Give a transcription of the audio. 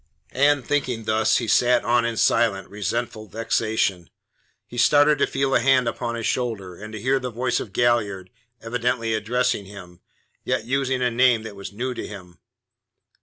And thinking thus, he sat on in silent, resentful vexation. He started to feel a hand upon his shoulder, and to hear the voice of Galliard evidently addressing him, yet using a name that was new to him.